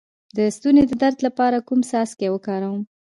د ستوني د درد لپاره کوم څاڅکي وکاروم؟